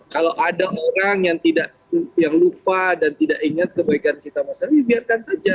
kalau ada orang yang lupa dan tidak ingat kebaikan kita masak biarkan saja